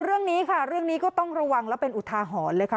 เรื่องนี้ค่ะเรื่องนี้ก็ต้องระวังและเป็นอุทาหรณ์เลยค่ะ